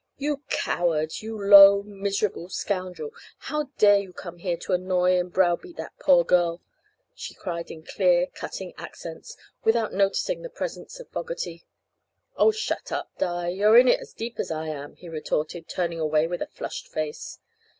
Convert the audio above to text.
"You coward! You low, miserable scoundrel! How dare you come here to annoy and browbeat that poor girl?" she cried in clear, cutting accents, without noticing the presence of Fogerty. "Oh, shut up, Di, you're in it as deep as I am," he retorted, turning away with a flushed face.